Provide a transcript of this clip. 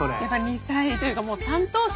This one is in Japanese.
２歳というか３頭身。